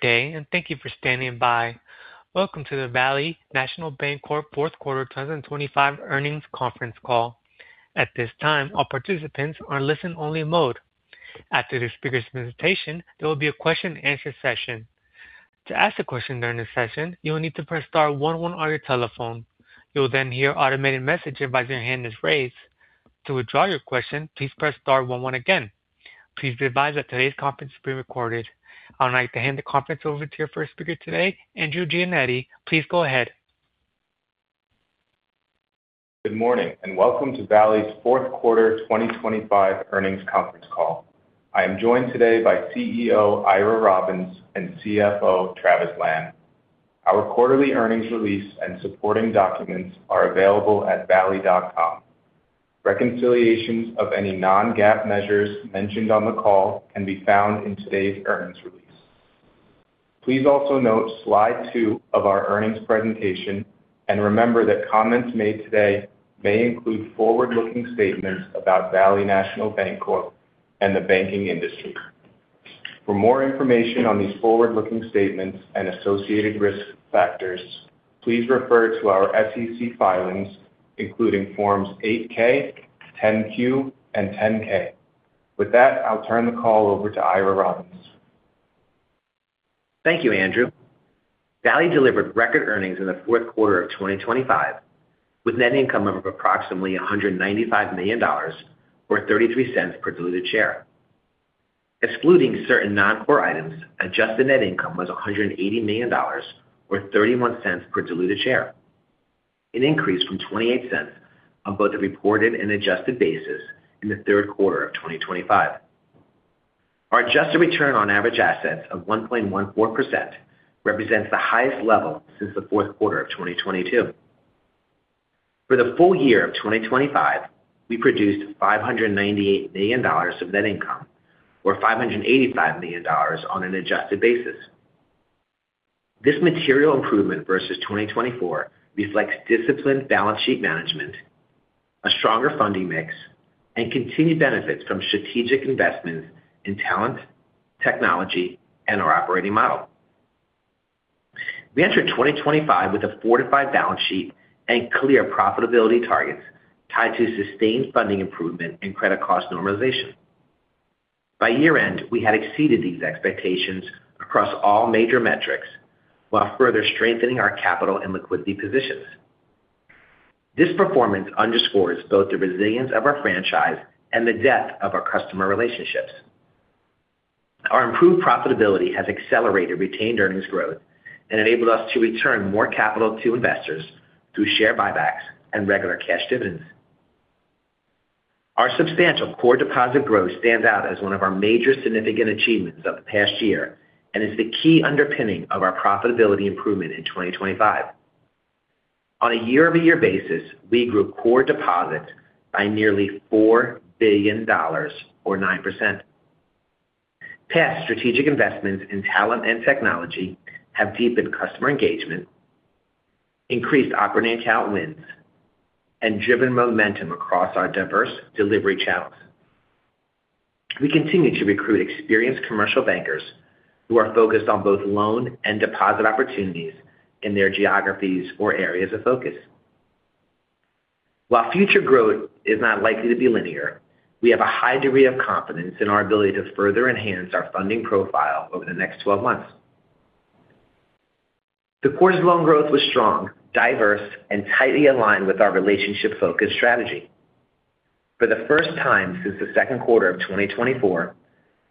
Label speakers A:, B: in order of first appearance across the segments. A: Good day, and thank you for standing by. Welcome to the Valley National Bancorp Fourth Quarter 2025 Earnings Conference Call. At this time, all participants are in listen-only mode. After the speaker's presentation, there will be a question-and-answer session. To ask a question during the session, you will need to press star one one on your telephone. You'll then hear an automated message advise your hand is raised. To withdraw your question, please press star one one again. Please be advised that today's conference is being recorded. I'd like to hand the conference over to your first speaker today, Andrew Giannetti. Please go ahead.
B: Good morning, and welcome to Valley's Fourth Quarter 2025 Earnings Conference Call. I am joined today by CEO Ira Robbins and CFO Travis Lan. Our quarterly earnings release and supporting documents are available at valley.com. Reconciliations of any non-GAAP measures mentioned on the call can be found in today's earnings release. Please also note Slide 2 of our earnings presentation, and remember that comments made today may include forward-looking statements about Valley National Bancorp and the banking industry. For more information on these forward-looking statements and associated risk factors, please refer to our SEC filings, including Forms 8-K, 10-Q, and 10-K. With that, I'll turn the call over to Ira Robbins.
C: Thank you, Andrew. Valley delivered record earnings in the Q4 of 2025, with net income of approximately $195 million or $0.33 per diluted share. Excluding certain non-core items, adjusted net income was $180 million, or $0.31 per diluted share, an increase from $0.28 on both the reported and adjusted basis in the Q3 of 2025. Our adjusted return on average assets of 1.14% represents the highest level since the Q4 of 2022. For the full year of 2025, we produced $598 million of net income, or $585 million on an adjusted basis. This material improvement versus 2024 reflects disciplined balance sheet management, a stronger funding mix, and continued benefits from strategic investments in talent, technology, and our operating model. We entered 2025 with a fortified balance sheet and clear profitability targets tied to sustained funding improvement and credit cost normalization. By year-end, we had exceeded these expectations across all major metrics, while further strengthening our capital and liquidity positions. This performance underscores both the resilience of our franchise and the depth of our customer relationships. Our improved profitability has accelerated retained earnings growth and enabled us to return more capital to investors through share buybacks and regular cash dividends. Our substantial core deposit growth stands out as one of our major significant achievements of the past year and is the key underpinning of our profitability improvement in 2025. On a year-over-year basis, we grew core deposits by nearly $4 billion or 9%. Past strategic investments in talent and technology have deepened customer engagement, increased operating account wins, and driven momentum across our diverse delivery channels. We continue to recruit experienced commercial bankers who are focused on both loan and deposit opportunities in their geographies or areas of focus. While future growth is not likely to be linear, we have a high degree of confidence in our ability to further enhance our funding profile over the next twelve months. The quarter's loan growth was strong, diverse, and tightly aligned with our relationship-focused strategy. For the first time since the Q2 of 2024,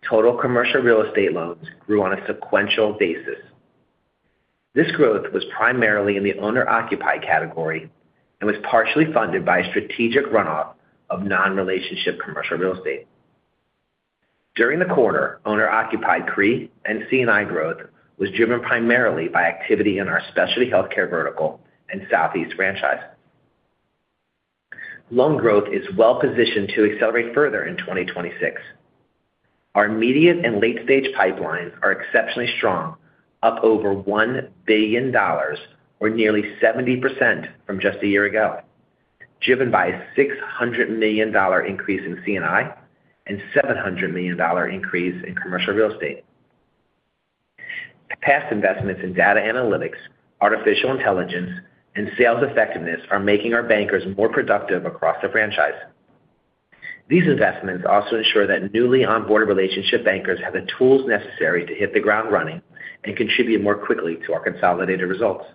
C: total commercial real estate loans grew on a sequential basis. This growth was primarily in the owner-occupied category and was partially funded by a strategic runoff of non-relationship commercial real estate. During the quarter, owner-occupied CRE and C&I growth was driven primarily by activity in our specialty healthcare vertical and Southeast franchise. Loan growth is well positioned to accelerate further in 2026. Our immediate and late-stage pipelines are exceptionally strong, up over $1 billion or nearly 70% from just a year ago, driven by a $600 million increase in C&I and $700 million increase in commercial real estate. Past investments in data analytics, artificial intelligence, and sales effectiveness are making our bankers more productive across the franchise. These investments also ensure that newly onboarded relationship bankers have the tools necessary to hit the ground running and contribute more quickly to our consolidated results.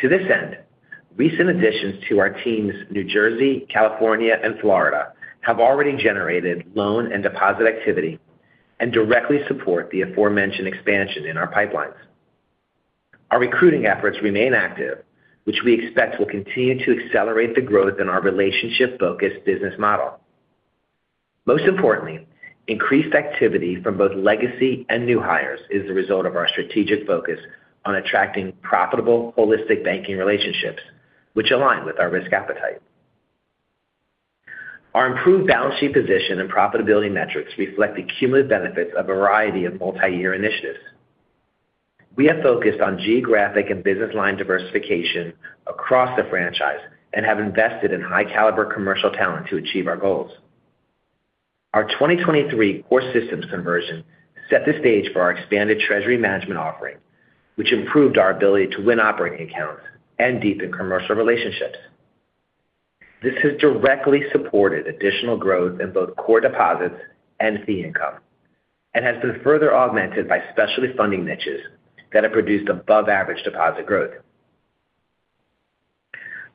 C: To this end, recent additions to our teams, New Jersey, California, and Florida, have already generated loan and deposit activity and directly support the aforementioned expansion in our pipelines. Our recruiting efforts remain active, which we expect will continue to accelerate the growth in our relationship-focused business model. Most importantly, increased activity from both legacy and new hires is the result of our strategic focus on attracting profitable, holistic banking relationships which align with our risk appetite. Our improved balance sheet position and profitability metrics reflect the cumulative benefits of a variety of multi-year initiatives. We have focused on geographic and business line diversification across the franchise and have invested in high-caliber commercial talent to achieve our goals. Our 2023 core systems conversion set the stage for our expanded treasury management offering, which improved our ability to win operating accounts and deepen commercial relationships. This has directly supported additional growth in both core deposits and fee income and has been further augmented by specialty funding niches that have produced above-average deposit growth.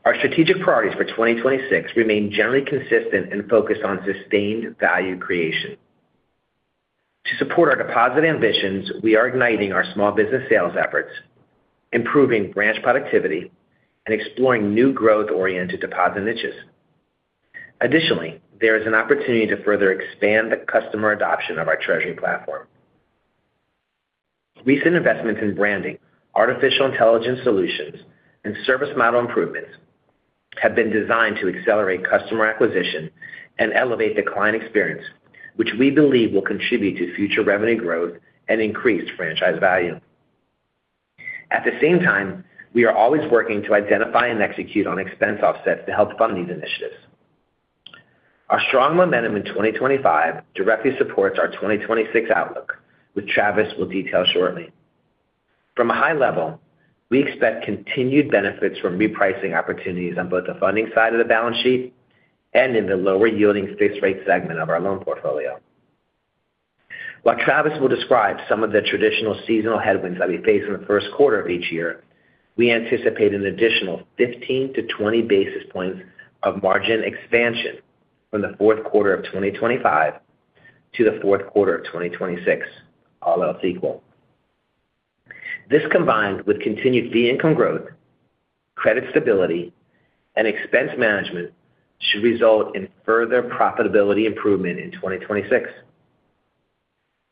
C: Our strategic priorities for 2026 remain generally consistent and focused on sustained value creation. To support our deposit ambitions, we are igniting our small business sales efforts, improving branch productivity, and exploring new growth-oriented deposit niches. Additionally, there is an opportunity to further expand the customer adoption of our treasury platform. Recent investments in branding, artificial intelligence solutions, and service model improvements have been designed to accelerate customer acquisition and elevate the client experience, which we believe will contribute to future revenue growth and increased franchise value. At the same time, we are always working to identify and execute on expense offsets to help fund these initiatives. Our strong momentum in 2025 directly supports our 2026 outlook, which Travis will detail shortly. From a high level, we expect continued benefits from repricing opportunities on both the funding side of the balance sheet and in the lower-yielding fixed rate segment of our loan portfolio. While Travis will describe some of the traditional seasonal headwinds that we face in the Q1 of each year, we anticipate an additional 15-20 basis points of margin expansion from the Q4 of 2025 to the Q4 of 2026, all else equal. This, combined with continued fee income growth, credit stability, and expense management, should result in further profitability improvement in 2026.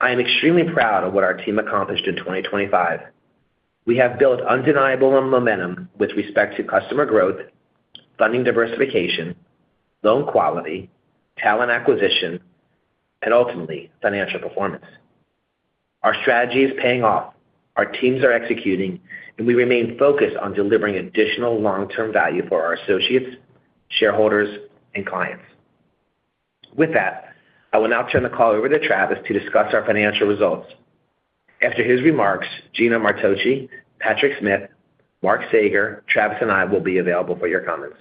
C: I am extremely proud of what our team accomplished in 2025. We have built undeniable momentum with respect to customer growth, funding diversification, loan quality, talent acquisition, and ultimately, financial performance. Our strategy is paying off, our teams are executing, and we remain focused on delivering additional long-term value for our associates, shareholders, and clients. With that, I will now turn the call over to Travis to discuss our financial results. After his remarks, Gino Martocci, Patrick Smith, Mark Saeger, Travis, and I will be available for your comments.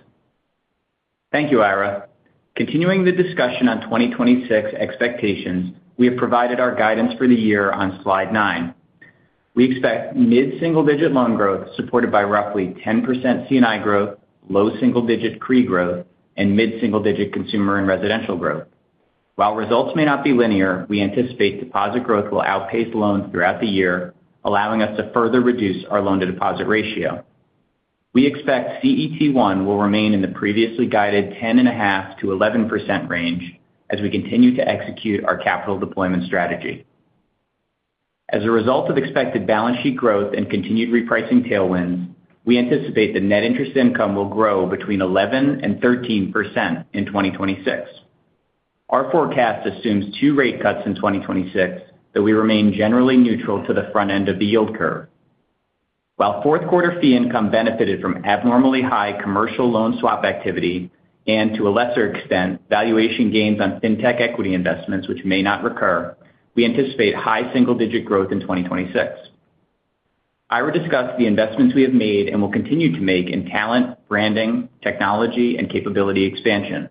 D: Thank you, Ira. Continuing the discussion on 2026 expectations, we have provided our guidance for the year on Slide 9. We expect mid-single-digit loan growth supported by roughly 10% C&I growth, low single-digit CRE growth, and mid-single-digit consumer and residential growth. While results may not be linear, we anticipate deposit growth will outpace loans throughout the year, allowing us to further reduce our loan-to-deposit ratio. We expect CET1 will remain in the previously guided 10.5%-11% range as we continue to execute our capital deployment strategy. As a result of expected balance sheet growth and continued repricing tailwinds, we anticipate that net interest income will grow between 11%-13% in 2026. Our forecast assumes 2 rate cuts in 2026, though we remain generally neutral to the front end of the yield curve. While Q4 fee income benefited from abnormally high commercial loan swap activity and, to a lesser extent, valuation gains on fintech equity investments, which may not recur, we anticipate high single-digit growth in 2026. Ira discussed the investments we have made and will continue to make in talent, branding, technology, and capability expansion.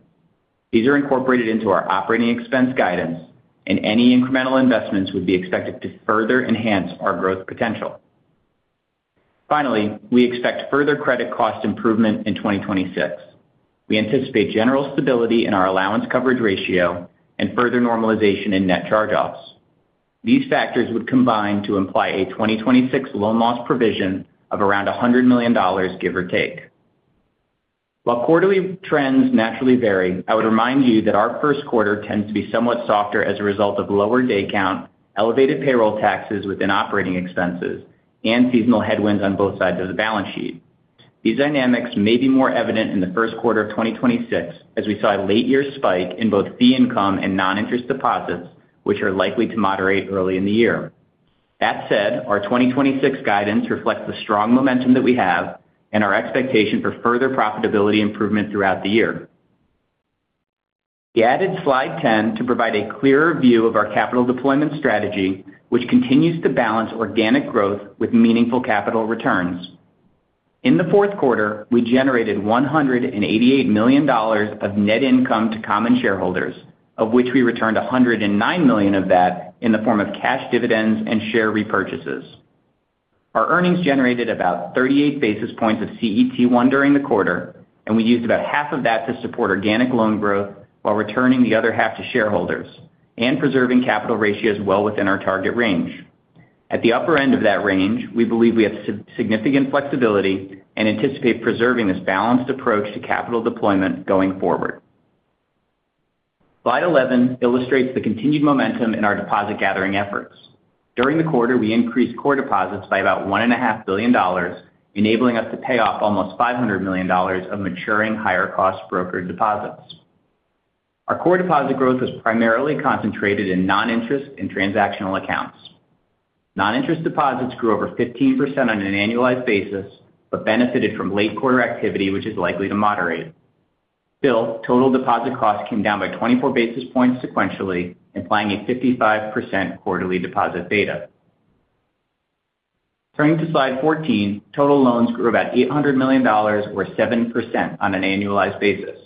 D: These are incorporated into our operating expense guidance, and any incremental investments would be expected to further enhance our growth potential. Finally, we expect further credit cost improvement in 2026. We anticipate general stability in our allowance coverage ratio and further normalization in net charge-offs. These factors would combine to imply a 2026 loan loss provision of around $100 million, give or take. While quarterly trends naturally vary, I would remind you that our Q1 tends to be somewhat softer as a result of lower day count, elevated payroll taxes within operating expenses, and seasonal headwinds on both sides of the balance sheet. These dynamics may be more evident in the Q1 of 2026, as we saw a late-year spike in both fee income and non-interest deposits, which are likely to moderate early in the year. That said, our 2026 guidance reflects the strong momentum that we have and our expectation for further profitability improvement throughout the year. We added Slide 10 to provide a clearer view of our capital deployment strategy, which continues to balance organic growth with meaningful capital returns. In the Q4, we generated $188 million of net income to common shareholders, of which we returned $109 million of that in the form of cash dividends and share repurchases. Our earnings generated about 38 basis points of CET1 during the quarter, and we used about half of that to support organic loan growth while returning the other half to shareholders and preserving capital ratios well within our target range. At the upper end of that range, we believe we have significant flexibility and anticipate preserving this balanced approach to capital deployment going forward. Slide 11 illustrates the continued momentum in our deposit gathering efforts. During the quarter, we increased core deposits by about $1.5 billion, enabling us to pay off almost $500 million of maturing higher-cost brokered deposits. Our core deposit growth was primarily concentrated in non-interest and transactional accounts. Non-interest deposits grew over 15% on an annualized basis, but benefited from late quarter activity, which is likely to moderate. Still, total deposit costs came down by 24 basis points sequentially, implying a 55% quarterly deposit beta. Turning to Slide 14, total loans grew about $800 million or 7% on an annualized basis.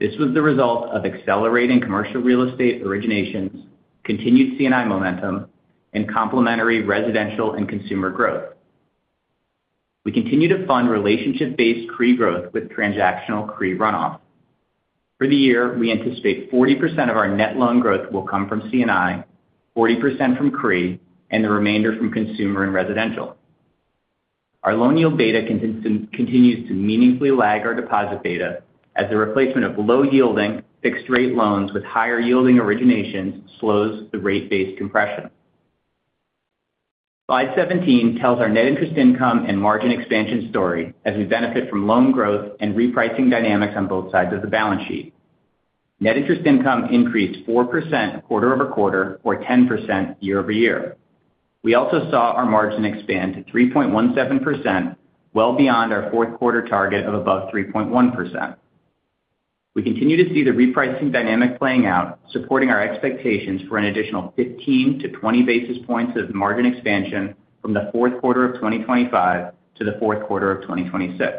D: This was the result of accelerating commercial real estate originations, continued C&I momentum, and complementary residential and consumer growth. We continue to fund relationship-based CRE growth with transactional CRE runoff. For the year, we anticipate 40% of our net loan growth will come from C&I, 40% from CRE, and the remainder from consumer and residential. Our loan yield beta continues to meaningfully lag our deposit beta as the replacement of low-yielding fixed-rate loans with higher-yielding originations slows the rate-based compression. Slide 17 tells our net interest income and margin expansion story as we benefit from loan growth and repricing dynamics on both sides of the balance sheet. Net interest income increased 4% quarter-over-quarter or 10% year-over-year. We also saw our margin expand to 3.17%, well beyond our Q4 target of above 3.1%. We continue to see the repricing dynamic playing out, supporting our expectations for an additional 15-20 basis points of margin expansion from the Q4 of 2025 to the Q4 of 2026.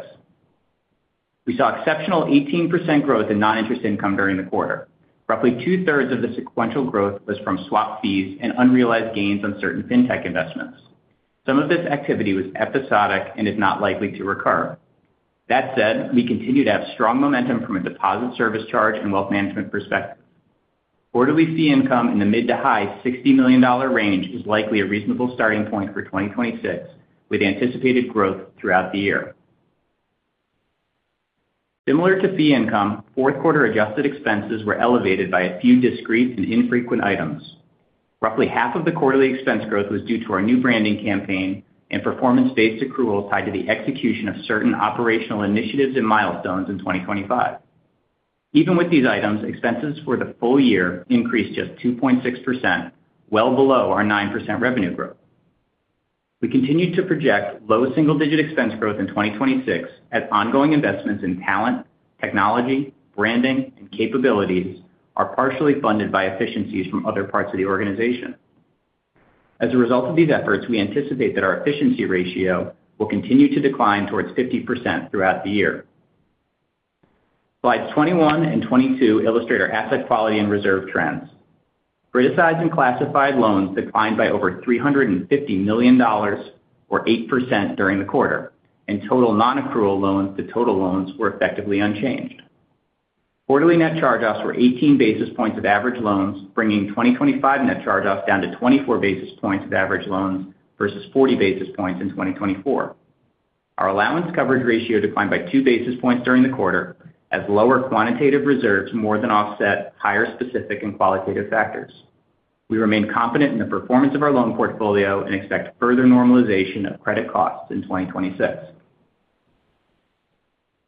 D: We saw exceptional 18% growth in non-interest income during the quarter. Roughly two-thirds of the sequential growth was from swap fees and unrealized gains on certain fintech investments. Some of this activity was episodic and is not likely to recur. That said, we continue to have strong momentum from a deposit service charge and wealth management perspective. Quarterly fee income in the mid- to high $60 million range is likely a reasonable starting point for 2026, with anticipated growth throughout the year. Similar to fee income, Q4 adjusted expenses were elevated by a few discrete and infrequent items. Roughly half of the quarterly expense growth was due to our new branding campaign and performance-based accrual tied to the execution of certain operational initiatives and milestones in 2025. Even with these items, expenses for the full year increased just 2.6%, well below our 9% revenue growth. We continue to project low single-digit expense growth in 2026, as ongoing investments in talent, technology, branding, and capabilities are partially funded by efficiencies from other parts of the organization. As a result of these efforts, we anticipate that our efficiency ratio will continue to decline towards 50% throughout the year. Slides 21 and 22 illustrate our asset quality and reserve trends. Criticized and classified loans declined by over $350 million, or 8%, during the quarter, and total nonaccrual loans to total loans were effectively unchanged. Quarterly net charge-offs were 18 basis points of average loans, bringing 2025 net charge-offs down to 24 basis points of average loans versus 40 basis points in 2024. Our allowance coverage ratio declined by 2 basis points during the quarter, as lower quantitative reserves more than offset higher specific and qualitative factors. We remain confident in the performance of our loan portfolio and expect further normalization of credit costs in 2026.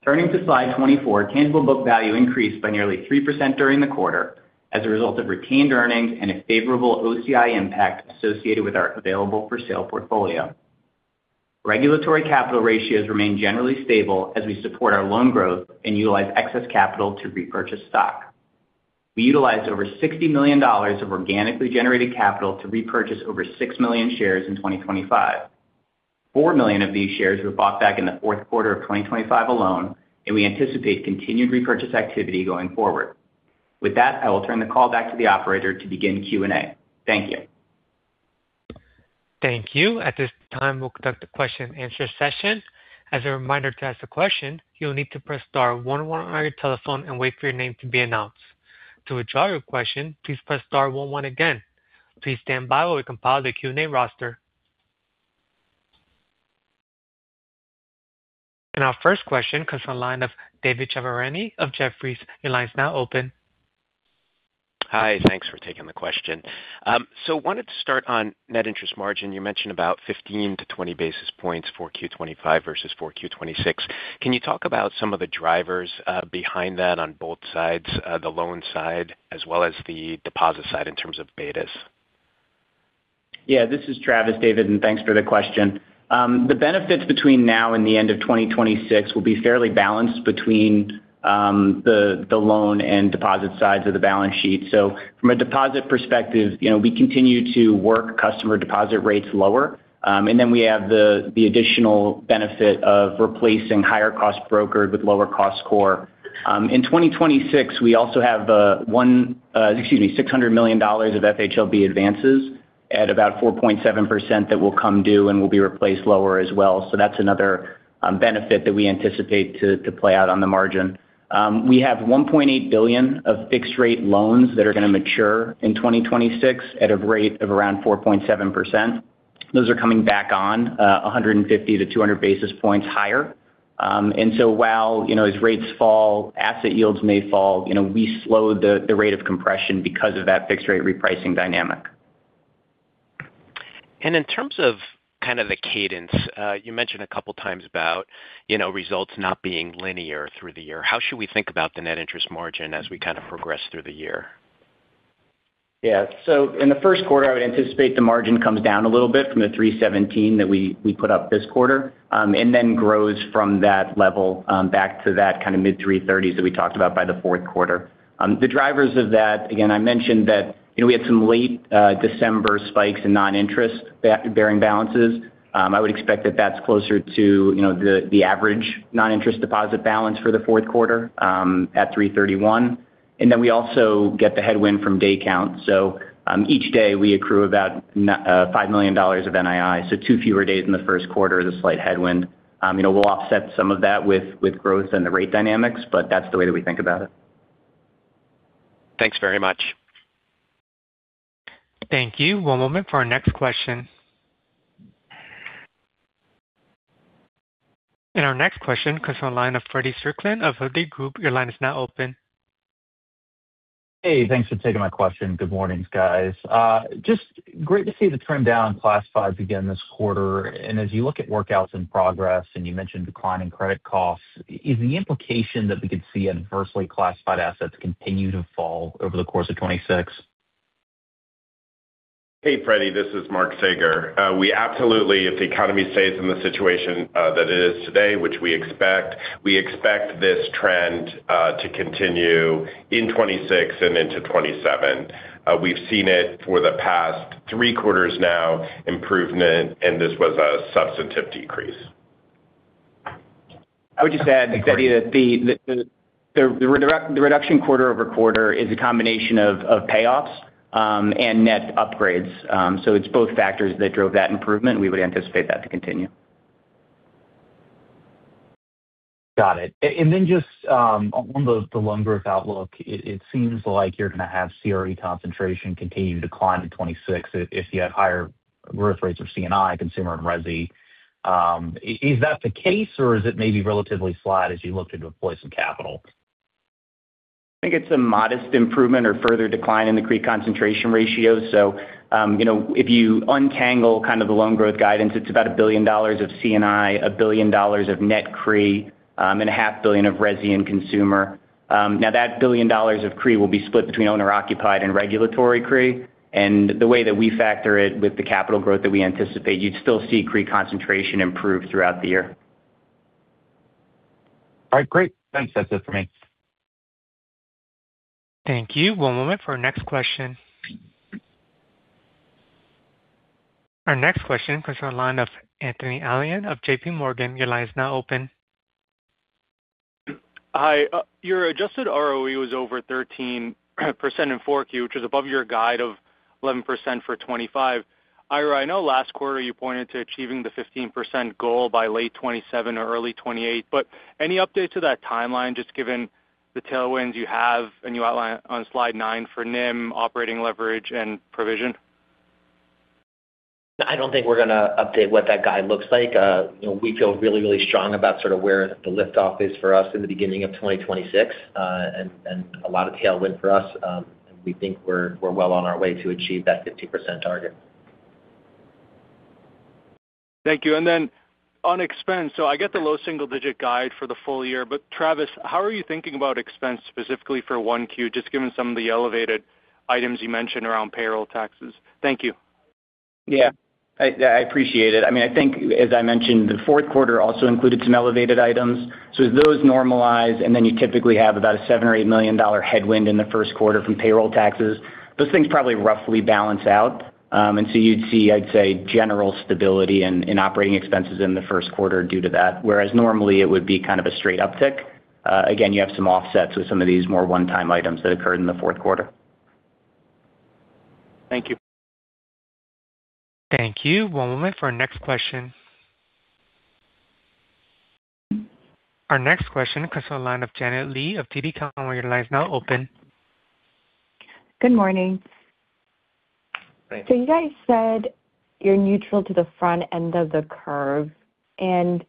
D: Turning to Slide 24, tangible book value increased by nearly 3% during the quarter as a result of retained earnings and a favorable OCI impact associated with our available-for-sale portfolio. Regulatory capital ratios remain generally stable as we support our loan growth and utilize excess capital to repurchase stock. We utilized over $60 million of organically generated capital to repurchase over 6 million shares in 2025. 4 million of these shares were bought back in the Q4 of 2025 alone, and we anticipate continued repurchase activity going forward. With that, I will turn the call back to the operator to begin Q&A. Thank you.
A: Thank you. At this time, we'll conduct a question-and-answer session. As a reminder, to ask a question, you'll need to press star one one on your telephone and wait for your name to be announced. To withdraw your question, please press star one one again. Please stand by while we compile the Q&A roster. Our first question comes on the line of David Chiaverini of Jefferies. Your line is now open.
E: Hi, thanks for taking the question. So wanted to start on net interest margin. You mentioned about 15-20 basis points Q4 2025 versus Q4 2026. Can you talk about some of the drivers behind that on both sides, the loan side as well as the deposit side, in terms of betas?
D: Yeah, this is Travis, David, and thanks for the question. The benefits between now and the end of 2026 will be fairly balanced between the loan and deposit sides of the balance sheet. So from a deposit perspective, you know, we continue to work customer deposit rates lower, and then we have the additional benefit of replacing higher cost brokered with lower cost core. In 2026, we also have $600 million of FHLB advances at about 4.7% that will come due and will be replaced lower as well. So that's another benefit that we anticipate to play out on the margin. We have $1.8 billion of fixed-rate loans that are going to mature in 2026 at a rate of around 4.7%. Those are coming back on 150-200 basis points higher. And so while, you know, as rates fall, asset yields may fall, you know, we slowed the rate of compression because of that fixed-rate repricing dynamic.
E: In terms of kind of the cadence, you mentioned a couple of times about, you know, results not being linear through the year. How should we think about the net interest margin as we kind of progress through the year?
D: Yeah. So in the Q1, I would anticipate the margin comes down a little bit from the 3.17 that we put up this quarter, and then grows from that level back to that kind of mid-3.30s that we talked about by the Q4. The drivers of that, again, I mentioned that, you know, we had some late December spikes in non-interest bearing balances. I would expect that that's closer to, you know, the average non-interest deposit balance for the Q4 at 3.31. And then we also get the headwind from day count. So, each day, we accrue about $5 million of NII. So two fewer days in the Q1 is a slight headwind. You know, we'll offset some of that with growth and the rate dynamics, but that's the way that we think about it.
E: Thanks very much.
A: Thank you. One moment for our next question. Our next question comes from the line of Feddie Strickland of Hovde Group. Your line is now open.
E: Hey, thanks for taking my question. Good morning, guys. Just great to see the trend down in classifieds again this quarter. And as you look at workouts in progress, and you mentioned declining credit costs, is the implication that we could see adversely classified assets continue to fall over the course of 2026?
F: Hey, Feddie, this is Mark Saeger. We absolutely, if the economy stays in the situation that it is today, which we expect, we expect this trend to continue in 2026 and into 2027. We've seen it for the past three quarters now, improvement, and this was a substantive decrease.
D: I would just add, Feddie, that the reduction quarter-over-quarter is a combination of payoffs, and net upgrades. So it's both factors that drove that improvement, and we would anticipate that to continue.
E: Got it. And then just on the loan growth outlook, it seems like you're going to have CRE concentration continue to decline in 2026 if you have higher growth rates of C&I, consumer, and resi. Is that the case, or is it maybe relatively slide as you look to deploy some capital?
D: I think it's a modest improvement or further decline in the CRE concentration ratio. So, you know, if you untangle kind of the loan growth guidance, it's about $1 billion of C&I, $1 billion of net CRE, and $500 million of resi and consumer. Now, that $1 billion of CRE will be split between owner-occupied and regulatory CRE. And the way that we factor it with the capital growth that we anticipate, you'd still see CRE concentration improve throughout the year.
E: All right, great. Thanks. That's it for me.
A: Thank you. One moment for our next question. Our next question comes from the line of Anthony Elian of J.P. Morgan. Your line is now open.
E: Hi. Your adjusted ROE was over 13% in 4Q, which is above your guide of 11% for 2025. Ira, I know last quarter you pointed to achieving the 15% goal by late 2027 or early 2028, but any update to that timeline, just given the tailwinds you have, and you outline on Slide 9 for NIM operating leverage and provision?
C: I don't think we're going to update what that guide looks like. You know, we feel really, really strong about sort of where the liftoff is for us in the beginning of 2026, and, and a lot of tailwind for us. And we think we're, we're well on our way to achieve that 50% target.
E: Thank you. And then on expense, so I get the low single-digit guide for the full year, but Travis, how are you thinking about expense specifically for 1Q, just given some of the elevated items you mentioned around payroll taxes? Thank you.
D: Yeah, I appreciate it. I mean, I think as I mentioned, the Q4 also included some elevated items. So as those normalize, and then you typically have about a $7 million or $8 million headwind in the Q1 from payroll taxes, those things probably roughly balance out. And so you'd see, I'd say, general stability in operating expenses in the Q1 due to that, whereas normally it would be kind of a straight uptick. Again, you have some offsets with some of these more one-time items that occurred in the Q4.
E: Thank you.
A: Thank you. One moment for our next question. Our next question comes from the line of Janet Lee of TD Cowen. Your line is now open.
G: Good morning.
D: Hi.
G: You guys said you're neutral to the front end of the curve, and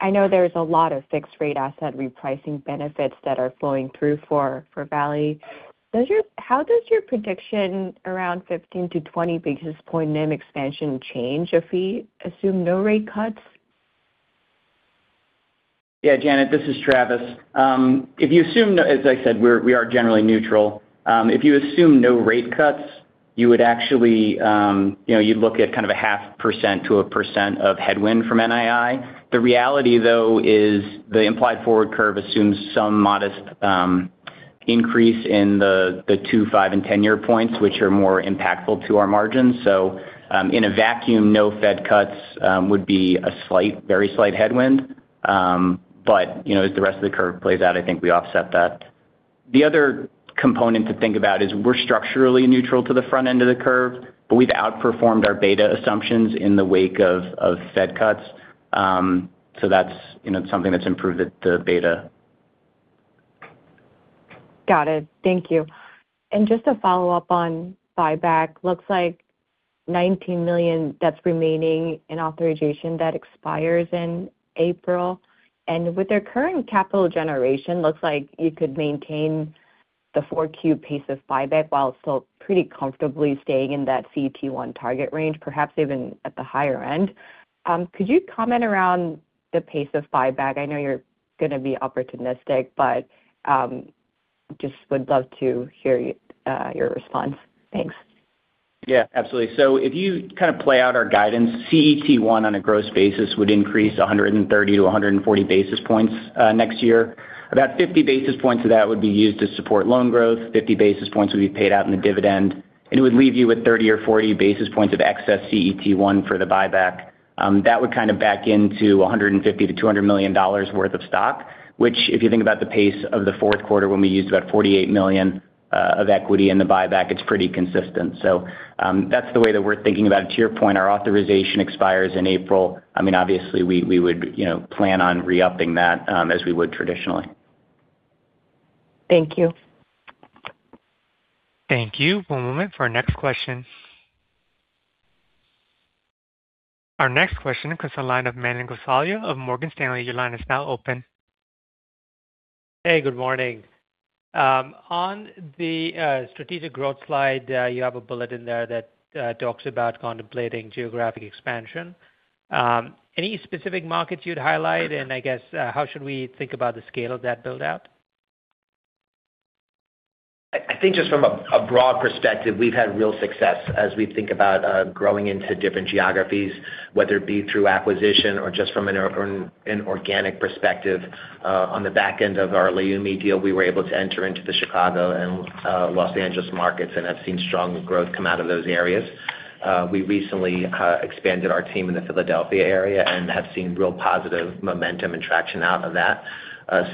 G: I know there's a lot of fixed-rate asset repricing benefits that are flowing through for Valley. How does your prediction around 15-20 basis point NIM expansion change if we assume no rate cuts?
D: Yeah, Janet, this is Travis. If you assume no... As I said, we are generally neutral. If you assume no rate cuts, you would actually, you know, you'd look at kind of a 0.5%-1% headwind from NII. The reality, though, is the implied forward curve assumes some modest increase in the 2, 5, and 10-year points, which are more impactful to our margins. So, in a vacuum, no Fed cuts would be a slight, very slight headwind. But, you know, as the rest of the curve plays out, I think we offset that. The other component to think about is we're structurally neutral to the front end of the curve, but we've outperformed our beta assumptions in the wake of Fed cuts. So that's, you know, something that's improved at the beta.
G: Got it. Thank you. Just to follow up on buyback, looks like $19 million that's remaining in authorization that expires in April. With their current capital generation, looks like you could maintain a- ... the 4Q pace of buyback, while still pretty comfortably staying in that CET1 target range, perhaps even at the higher end. Could you comment around the pace of buyback? I know you're going to be opportunistic, but just would love to hear you, your response. Thanks.
D: Yeah, absolutely. So if you kind of play out our guidance, CET1 on a gross basis would increase 130 to 140 basis points next year. About 50 basis points of that would be used to support loan growth, 50 basis points would be paid out in the dividend, and it would leave you with 30 or 40 basis points of excess CET1 for the buyback. That would kind of back into $150 million-$200 million worth of stock, which, if you think about the pace of the Q4, when we used about $48 million of equity in the buyback, it's pretty consistent. So, that's the way that we're thinking about it. To your point, our authorization expires in April. I mean, obviously, we would, you know, plan on re-upping that as we would traditionally.
G: Thank you.
A: Thank you. One moment for our next question. Our next question comes on the line of Manan Gosalia of Morgan Stanley. Your line is now open.
H: Hey, good morning. On the strategic growth slide, you have a bullet in there that talks about contemplating geographic expansion. Any specific markets you'd highlight? And I guess how should we think about the scale of that build-out?
D: I think just from a broad perspective, we've had real success as we think about growing into different geographies, whether it be through acquisition or just from an organic perspective. On the back end of our Leumi deal, we were able to enter into the Chicago and Los Angeles markets and have seen strong growth come out of those areas. We recently expanded our team in the Philadelphia area and have seen real positive momentum and traction out of that.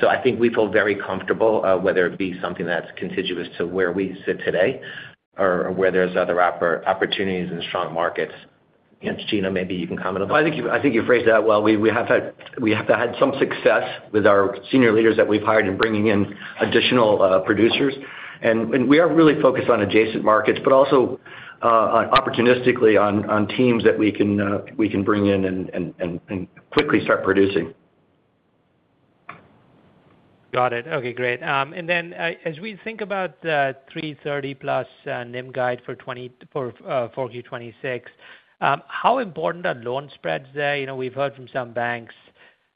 D: So I think we feel very comfortable, whether it be something that's contiguous to where we sit today or where there's other opportunities in strong markets. And Gino, maybe you can comment on that.
I: Well, I think you phrased that well. We have had some success with our senior leaders that we've hired in bringing in additional producers. And we are really focused on adjacent markets, but also on opportunistically on teams that we can bring in and quickly start producing.
H: Got it. Okay, great. And then, as we think about 3.30+, NIM guide for 2024-2026, how important are loan spreads there? You know, we've heard from some banks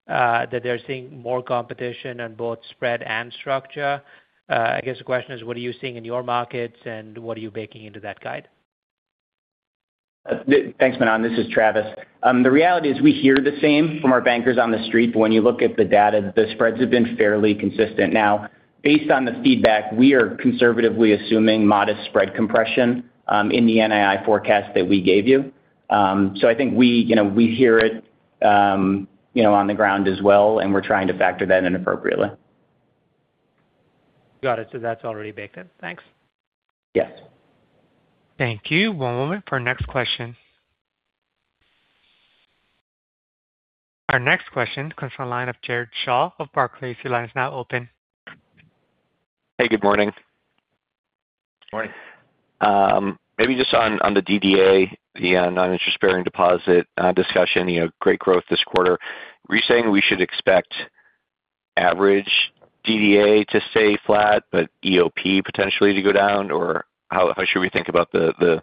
H: that they're seeing more competition on both spread and structure. I guess the question is: What are you seeing in your markets, and what are you baking into that guide?
D: Thanks, Manan. This is Travis. The reality is we hear the same from our bankers on the street, but when you look at the data, the spreads have been fairly consistent. Now, based on the feedback, we are conservatively assuming modest spread compression in the NII forecast that we gave you. So I think we, you know, we hear it, you know, on the ground as well, and we're trying to factor that in appropriately.
H: Got it. That's already baked in. Thanks.
D: Yes.
A: Thank you. One moment for our next question. Our next question comes from the line of Jared Shaw of Barclays. Your line is now open.
J: Hey, good morning.
D: Good morning.
J: Maybe just on, on the DDA, the non-interest-bearing deposit discussion, you know, great growth this quarter. Were you saying we should expect average DDA to stay flat, but EOP potentially to go down? Or how, how should we think about the, the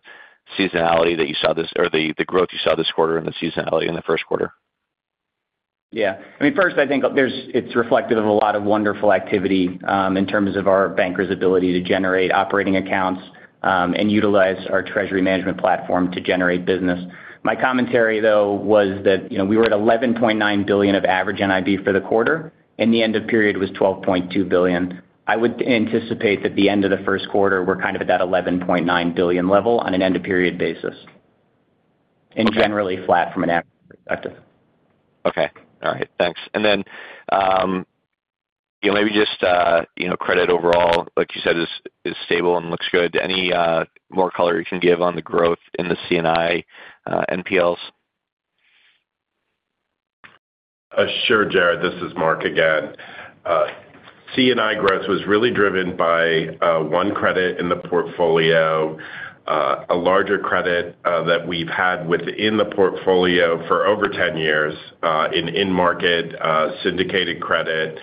J: seasonality that you saw this or the, the growth you saw this quarter and the seasonality in the Q1?
D: Yeah. I mean, first, I think there's, it's reflective of a lot of wonderful activity, in terms of our bankers' ability to generate operating accounts, and utilize our treasury management platform to generate business. My commentary, though, was that, you know, we were at $11.9 billion of average NIB for the quarter, and the end of period was $12.2 billion. I would anticipate that the end of the Q1, we're kind of at that $11.9 billion level on an end-of-period basis. Generally flat from an average perspective.
J: Okay. All right. Thanks. And then, you know, maybe just, you know, credit overall, like you said, is, is stable and looks good. Any more color you can give on the growth in the C&I NPLs?
F: Sure, Jared, this is Mark again. C&I growth was really driven by one credit in the portfolio, a larger credit that we've had within the portfolio for over 10 years, in-market syndicated credit,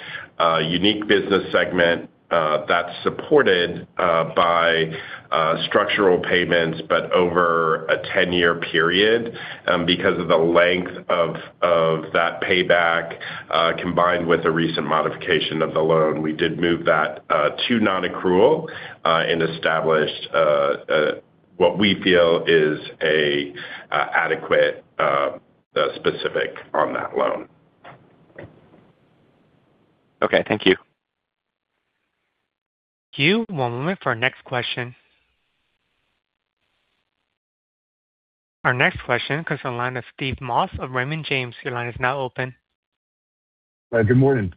F: unique business segment that's supported by structural payments, but over a 10-year period. Because of the length of that payback, combined with a recent modification of the loan, we did move that to non-accrual and established what we feel is an adequate specific on that loan.
J: Okay, thank you.
A: Just one moment for our next question. Our next question comes from the line of Steve Moss of Raymond James. Your line is now open.
K: Good morning.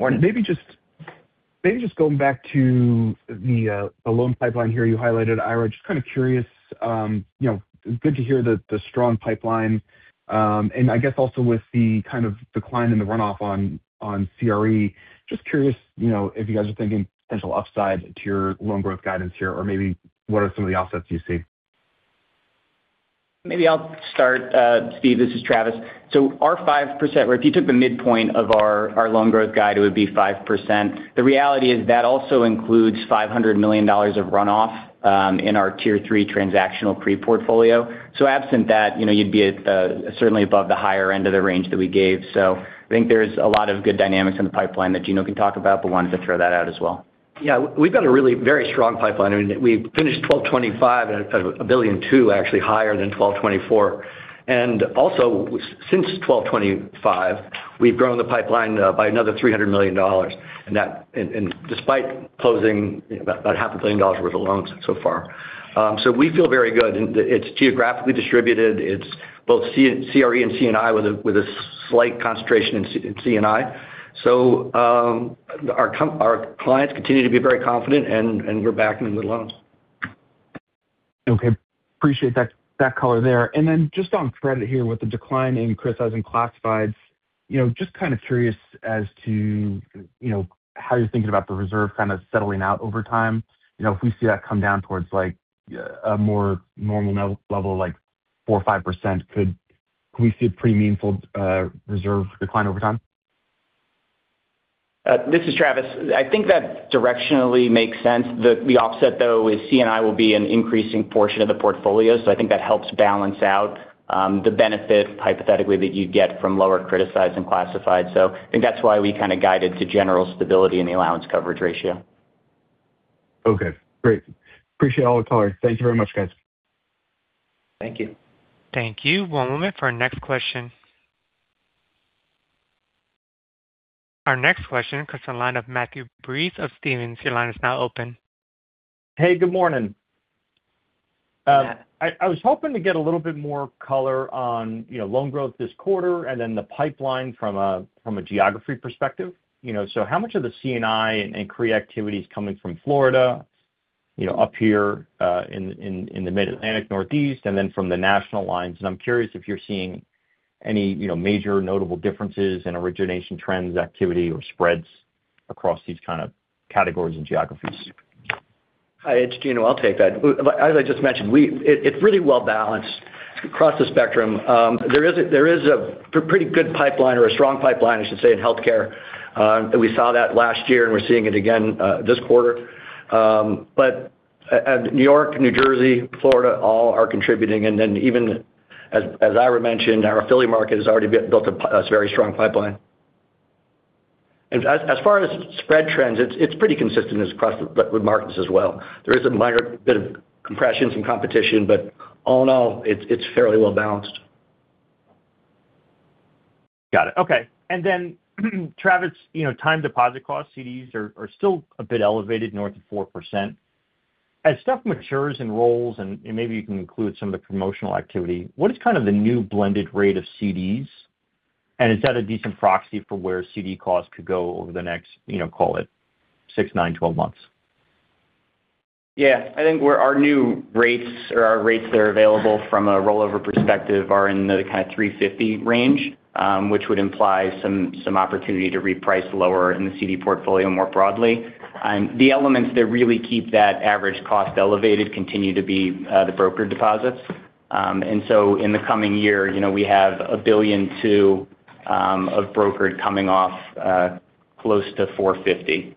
C: Morning.
K: Maybe just going back to the, the loan pipeline here, you highlighted Ira. Just kind of curious, you know, good to hear the, the strong pipeline. And I guess also with the kind of decline in the runoff on CRE, just curious, you know, if you guys are thinking potential upside to your loan growth guidance here, or maybe what are some of the offsets you see?
D: Maybe I'll start, Steve, this is Travis. So our 5%, where if you took the midpoint of our loan growth guide, it would be 5%. The reality is that also includes $500 million of runoff in our Tier 3 transactional CRE portfolio. So absent that, you know, you'd be at certainly above the higher end of the range that we gave. So I think there's a lot of good dynamics in the pipeline that Gino can talk about, but wanted to throw that out as well.
I: Yeah, we've got a really very strong pipeline. I mean, we finished 12/25, $1.2 billion, actually higher than 12/24. And also, since 12/25, we've grown the pipeline by another $300 million, and despite closing about $500 million worth of loans so far. So we feel very good. It's geographically distributed. It's both CRE and C&I, with a slight concentration in C&I. So, our clients continue to be very confident, and we're back in the loans.
K: Okay, appreciate that, that color there. And then just on credit here, with the decline in criticized classifieds, you know, just kind of curious as to, you know, how you're thinking about the reserve kind of settling out over time. You know, if we see that come down towards like a more normal level, like 4% or 5%, could we see a pretty meaningful reserve decline over time?
D: This is Travis. I think that directionally makes sense. The offset, though, with C&I will be an increasing portion of the portfolio, so I think that helps balance out the benefit hypothetically that you'd get from lower criticized and classified. So I think that's why we kind of guided to general stability in the allowance coverage ratio.
K: Okay, great. Appreciate all the color. Thank you very much, guys.
D: Thank you.
A: Thank you. One moment for our next question. Our next question comes from the line of Matthew Breese of Stephens. Your line is now open.
L: Hey, good morning.
D: Yeah.
L: I was hoping to get a little bit more color on, you know, loan growth this quarter and then the pipeline from a geography perspective. You know, so how much of the C&I and CRE activity is coming from Florida, you know, up here, in the Mid-Atlantic, Northeast, and then from the national lines? And I'm curious if you're seeing any, you know, major notable differences in origination trends, activity, or spreads across these kind of categories and geographies.
I: Hi, it's Gino. I'll take that. As I just mentioned, it's really well balanced across the spectrum. There is a pretty good pipeline or a strong pipeline, I should say, in healthcare. We saw that last year, and we're seeing it again this quarter. But New York, New Jersey, Florida, all are contributing. And then even as Ira mentioned, our affiliate market has already built a very strong pipeline. And as far as spread trends, it's pretty consistent across the markets as well. There is a minor bit of compression, some competition, but all in all, it's fairly well balanced.
L: Got it. Okay. And then, Travis, you know, time deposit costs, CDs are still a bit elevated, north of 4%. As stuff matures and rolls, and maybe you can include some of the promotional activity, what is kind of the new blended rate of CDs? And is that a decent proxy for where CD costs could go over the next, you know, call it 6, 9, 12 months?
D: Yeah. I think where our new rates or our rates that are available from a rollover perspective are in the kind of 3.50 range, which would imply some opportunity to reprice lower in the CD portfolio more broadly. The elements that really keep that average cost elevated continue to be the brokered deposits. And so in the coming year, you know, we have $1.2 billion of brokered coming off, close to 4.50.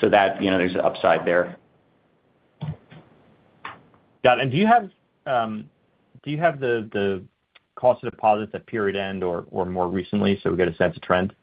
D: So that, you know, there's upside there.
L: Got it. And do you have the cost of deposits at period end or more recently, so we get a sense of trend?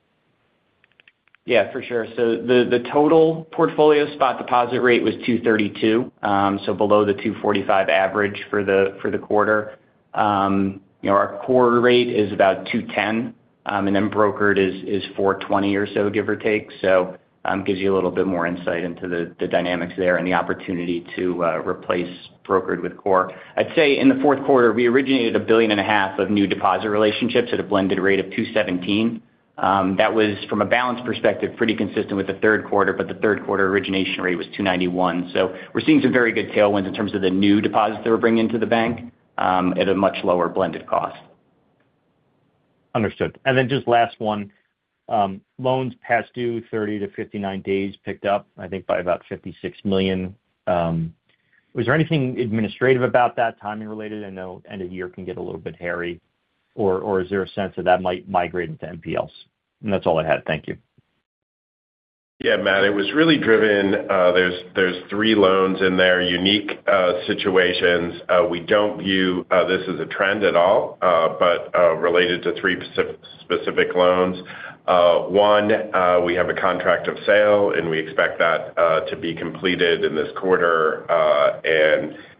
D: Yeah, for sure. So the total portfolio spot deposit rate was 2.32%, so below the 2.45% average for the quarter. You know, our core rate is about 2.10%, and then brokered is 4.20% or so, give or take. So, gives you a little bit more insight into the dynamics there and the opportunity to replace brokered with core. I'd say in the Q4, we originated $1.5 billion of new deposit relationships at a blended rate of 2.17%. That was, from a balance perspective, pretty consistent with the Q3, but the Q3 origination rate was 2.91%. So we're seeing some very good tailwinds in terms of the new deposits that we're bringing to the bank, at a much lower blended cost.
L: Understood. And then just last one, loans past due, 30-59 days picked up, I think, by about $56 million. Was there anything administrative about that, timing related? I know end of year can get a little bit hairy. Or, or is there a sense that that might migrate into NPLs? And that's all I had. Thank you.
F: Yeah, Matt, it was really driven. There's three loans in there, unique situations. We don't view this as a trend at all, but related to three specific loans. One, we have a contract of sale, and we expect that to be completed in this quarter,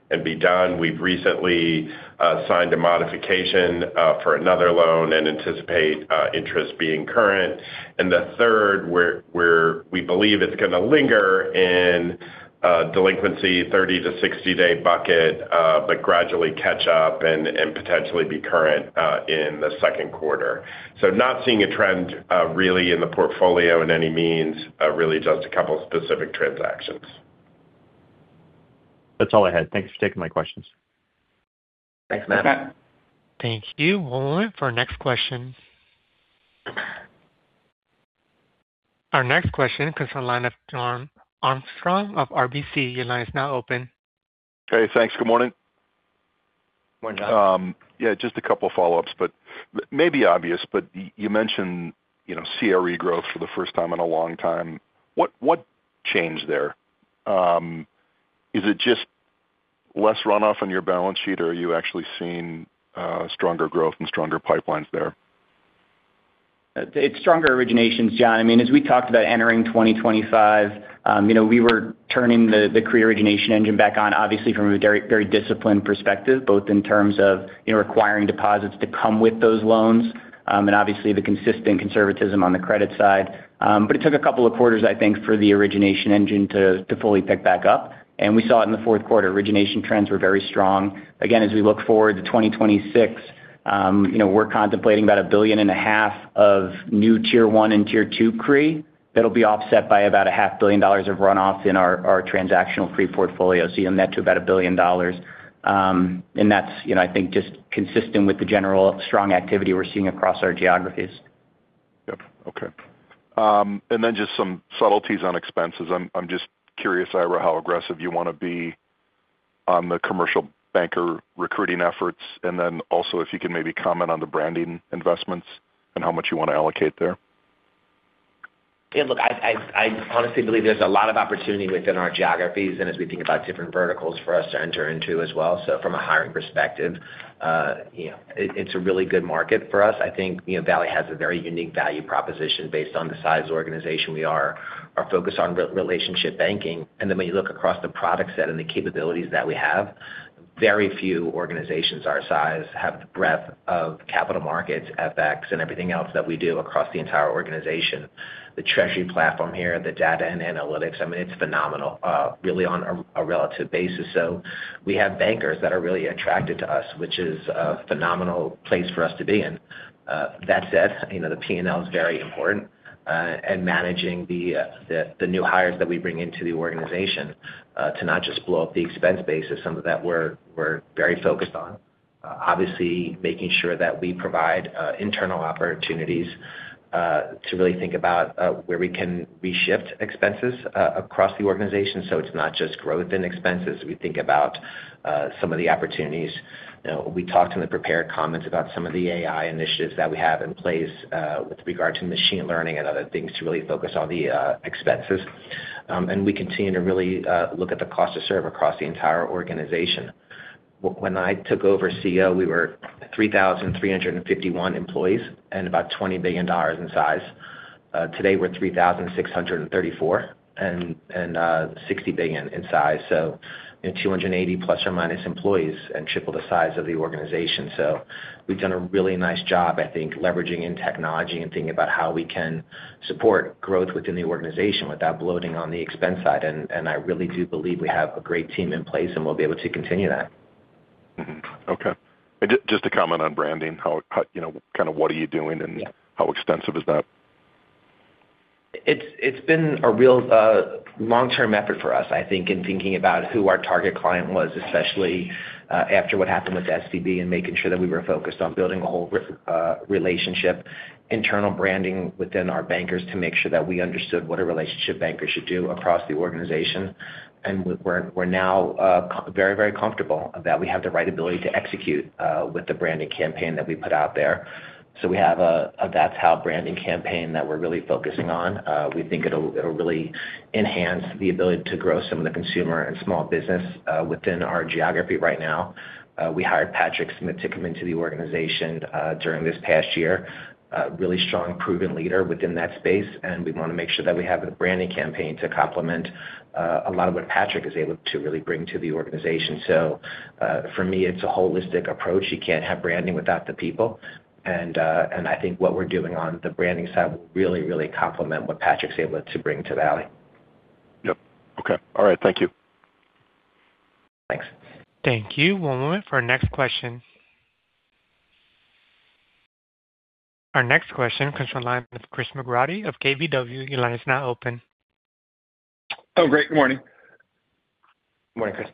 F: and be done. We've recently signed a modification for another loan and anticipate interest being current. And the third, where we believe it's going to linger in delinquency 30- to 60-day bucket, but gradually catch up and potentially be current in the Q2. So not seeing a trend really in the portfolio in any means, really just a couple of specific transactions.
L: That's all I had. Thanks for taking my questions.
I: Thanks, Matt.
A: Thank you. One moment for our next question.... Our next question comes from the line of Jon Arfstrom of RBC. Your line is now open.
M: Hey, thanks. Good morning.
C: Morning, John.
M: Yeah, just a couple follow-ups, but maybe obvious, but you mentioned, you know, CRE growth for the first time in a long time. What changed there? Is it just less runoff on your balance sheet, or are you actually seeing stronger growth and stronger pipelines there?
D: It's stronger originations, John. I mean, as we talked about entering 2025, you know, we were turning the CRE origination engine back on, obviously from a very, very disciplined perspective, both in terms of, you know, requiring deposits to come with those loans, and obviously the consistent conservatism on the credit side. But it took a couple of quarters, I think, for the origination engine to fully pick back up, and we saw it in the Q4. Origination trends were very strong. Again, as we look forward to 2026, you know, we're contemplating about $1.5 billion of new Tier 1 and Tier 2 CRE. That'll be offset by about $500 million of runoff in our transactional CRE portfolio, so you net to about $1 billion. And that's, you know, I think, just consistent with the general strong activity we're seeing across our geographies.
M: Yep. Okay. And then just some subtleties on expenses. I'm just curious around how aggressive you want to be on the commercial banker recruiting efforts, and then also, if you can maybe comment on the branding investments and how much you want to allocate there.
C: Yeah, look, I honestly believe there's a lot of opportunity within our geographies and as we think about different verticals for us to enter into as well. So from a hiring perspective, you know, it's a really good market for us. I think, you know, Valley has a very unique value proposition based on the size organization we are, our focus on relationship banking. And then when you look across the product set and the capabilities that we have, very few organizations our size have the breadth of capital markets, FX, and everything else that we do across the entire organization. The treasury platform here, the data and analytics, I mean, it's phenomenal, really on a relative basis. So we have bankers that are really attracted to us, which is a phenomenal place for us to be in. That said, you know, the P&L is very important, and managing the new hires that we bring into the organization to not just blow up the expense base is some of that we're very focused on. Obviously, making sure that we provide internal opportunities to really think about where we can reshift expenses across the organization, so it's not just growth and expenses. We think about some of the opportunities. You know, we talked in the prepared comments about some of the AI initiatives that we have in place with regard to machine learning and other things to really focus on the expenses. And we continue to really look at the cost to serve across the entire organization. When I took over CEO, we were 3,351 employees and about $20 billion in size. Today, we're 3,634 and $60 billion in size, so in 280 ± employees and triple the size of the organization. So we've done a really nice job, I think, leveraging in technology and thinking about how we can support growth within the organization without bloating on the expense side. I really do believe we have a great team in place, and we'll be able to continue that.
M: Mm-hmm. Okay. And just to comment on branding, how, you know, kind of what are you doing, and-
C: Yeah.
M: How extensive is that?
C: It's been a real long-term effort for us, I think, in thinking about who our target client was, especially after what happened with SVB and making sure that we were focused on building a whole relationship, internal branding within our bankers to make sure that we understood what a relationship banker should do across the organization. And we're now very, very comfortable that we have the right ability to execute with the branding campaign that we put out there. So we have a That's How branding campaign that we're really focusing on. We think it'll really enhance the ability to grow some of the consumer and small business within our geography right now. We hired Patrick Smith to come into the organization during this past year. Really strong, proven leader within that space, and we want to make sure that we have a branding campaign to complement a lot of what Patrick is able to really bring to the organization. So, for me, it's a holistic approach. You can't have branding without the people, and I think what we're doing on the branding side will really, really complement what Patrick's able to bring to Valley.
M: Yep. Okay. All right. Thank you.
C: Thanks.
A: Thank you. One moment for our next question. Our next question comes from the line with Chris McGratty of KBW. Your line is now open.
N: Oh, great morning.
C: Morning, Chris.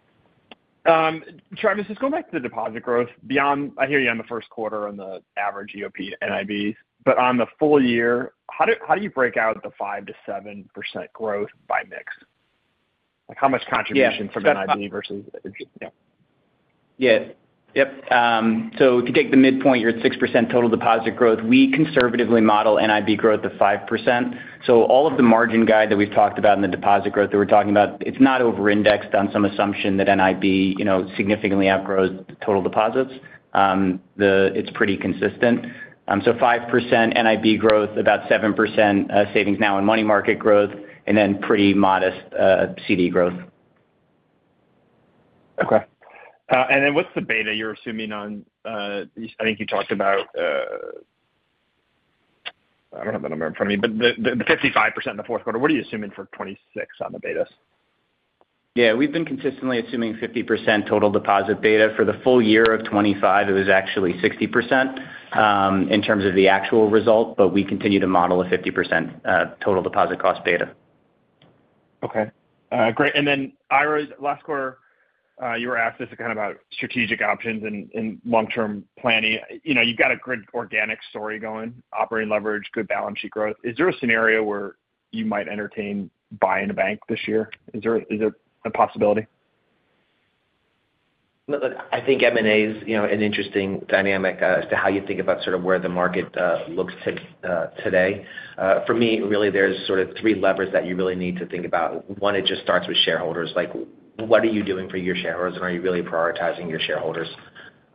N: Travis, just going back to the deposit growth, beyond—I hear you on the Q1 on the average EOP NIB, but on the full year, how do you break out the 5%-7% growth by mix? Like, how much contribution-
D: Yeah.
N: from NIB versus, yeah.
D: Yeah. Yep. So if you take the midpoint, you're at 6% total deposit growth. We conservatively model NIB growth to 5%. So all of the margin guide that we've talked about in the deposit growth that we're talking about, it's not over-indexed on some assumption that NIB, you know, significantly outgrows total deposits. It's pretty consistent. So 5% NIB growth, about 7%, savings NOW and money market growth, and then pretty modest, CD growth.
N: Okay. And then what's the beta you're assuming on? I think you talked about, I don't have the number in front of me, but the 55% in the Q4. What are you assuming for 2026 on the betas?
D: Yeah, we've been consistently assuming 50% total deposit beta. For the full year of 2025, it was actually 60%, in terms of the actual result, but we continue to model a 50% total deposit cost beta.
N: Okay. Great. And then, Ira, last quarter, you were asked this kind of about strategic options and long-term planning. You know, you've got a great organic story going, operating leverage, good balance sheet growth. Is there a scenario where you might entertain buying a bank this year? Is there a possibility?
C: Look, I think M&A is, you know, an interesting dynamic as to how you think about sort of where the market looks today. For me, really, there's sort of three levers that you really need to think about. One, it just starts with shareholders. Like, what are you doing for your shareholders, and are you really prioritizing your shareholders?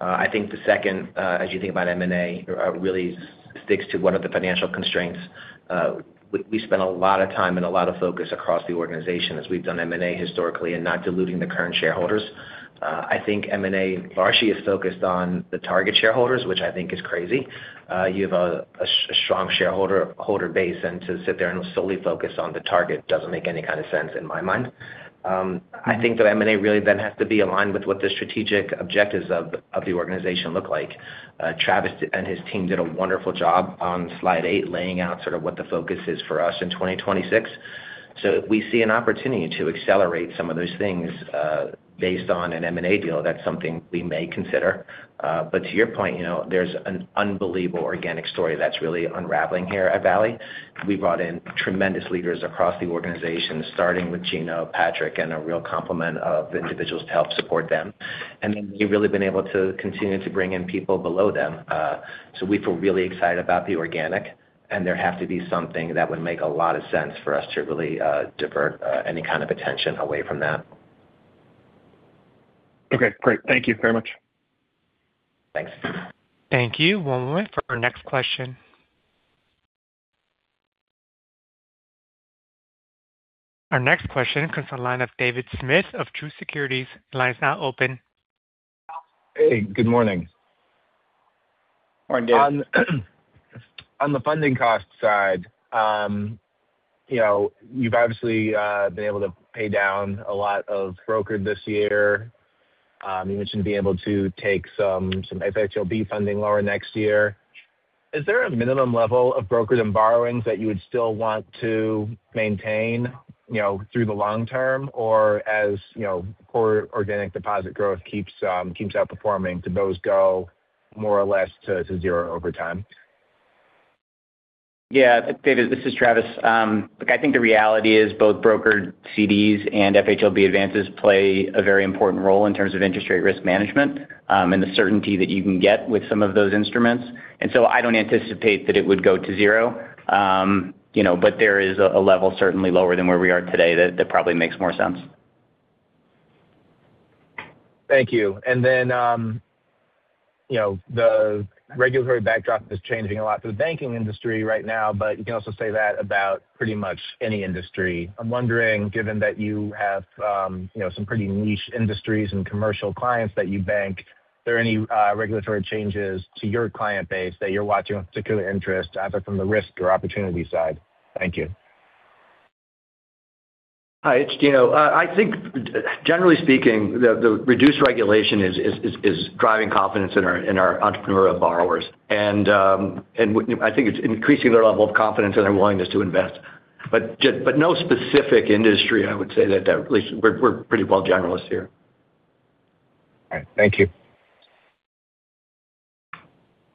C: I think the second, as you think about M&A, really sticks to what are the financial constraints. We spend a lot of time and a lot of focus across the organization as we've done M&A historically and not diluting the current shareholders. I think M&A largely is focused on the target shareholders, which I think is crazy. You have a strong shareholder base, and to sit there and solely focus on the target doesn't make any kind of sense in my mind. I think that M&A really then has to be aligned with what the strategic objectives of the organization look like. Travis and his team did a wonderful job on Slide 8, laying out sort of what the focus is for us in 2026. So if we see an opportunity to accelerate some of those things, based on an M&A deal, that's something we may consider. But to your point, you know, there's an unbelievable organic story that's really unraveling here at Valley. We brought in tremendous leaders across the organization, starting with Gino, Patrick, and a real complement of individuals to help support them. Then we've really been able to continue to bring in people below them. We feel really excited about the organic, and there have to be something that would make a lot of sense for us to really divert any kind of attention away from that.
N: Okay, great. Thank you very much.
C: Thanks.
A: Thank you. One moment for our next question. Our next question comes from the line of David Smith of Truist Securities. The line is now open.
O: Hey, good morning.
C: Morning, David.
O: On the funding cost side, you know, you've obviously been able to pay down a lot of brokered this year. You mentioned being able to take some FHLB funding lower next year. Is there a minimum level of brokered and borrowings that you would still want to maintain, you know, through the long term? Or as you know, core organic deposit growth keeps outperforming, do those go more or less to zero over time?
D: Yeah. David, this is Travis. Look, I think the reality is both brokered CDs and FHLB advances play a very important role in terms of interest rate risk management, and the certainty that you can get with some of those instruments. And so I don't anticipate that it would go to zero. You know, but there is a level certainly lower than where we are today that probably makes more sense.
O: Thank you. And then, you know, the regulatory backdrop is changing a lot for the banking industry right now, but you can also say that about pretty much any industry. I'm wondering, given that you have, you know, some pretty niche industries and commercial clients that you bank, are there any, regulatory changes to your client base that you're watching with particular interest, either from the risk or opportunity side? Thank you.
I: Hi, it's Gino. I think generally speaking, the reduced regulation is driving confidence in our entrepreneurial borrowers. And I think it's increasing their level of confidence and their willingness to invest. But no specific industry, I would say that at least we're pretty well generalists here.
O: All right. Thank you.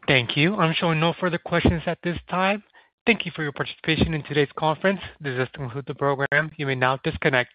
A: Thank you. I'm showing no further questions at this time. Thank you for your participation in today's conference. This is to conclude the program. You may now disconnect.